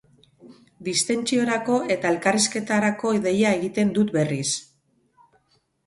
Distentsiorako eta elkarrizketarako deia egiten dut berriz.